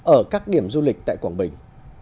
ở các điểm du lịch tại quảng bình